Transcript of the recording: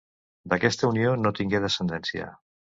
D'aquesta unió no tingué descendència.